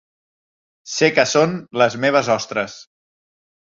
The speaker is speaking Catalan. Sé que són les meves ostres.